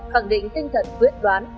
khẳng định tinh thần quyết đoán